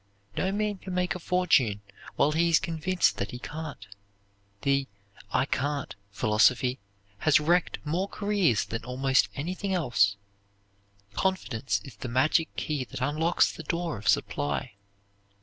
No man can make a fortune while he is convinced that he can't. The "I can't" philosophy has wrecked more careers than almost anything else. Confidence is the magic key that unlocks the door of supply.